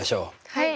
はい。